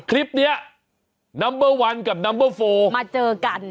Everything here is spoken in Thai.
คลิปเนี้ยนัมเบอร์วันกับนัมเบอร์โฟมาเจอกัน